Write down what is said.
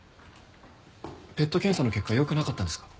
ＰＥＴ検査の結果良くなかったんですか？